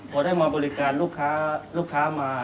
พอได้มาบริการลูกค้ามา